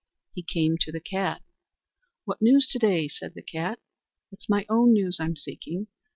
He came to the cat. "What news to day?" said the cat. "It's my own news I'm seeking.